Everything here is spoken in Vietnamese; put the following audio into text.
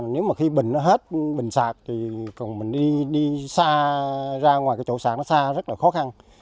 nếu mà khi bình nó hết bình sạc thì mình đi xa ra ngoài cái chỗ sạt nó xa rất là khó khăn